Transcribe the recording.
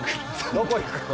どこ行くの？